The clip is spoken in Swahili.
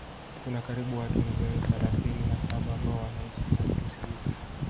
Kuna karibu watu milioni thalathini na saba ambao wanaishi na virusi hivyo